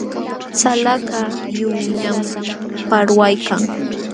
Salakaq lliwñam parwaykan.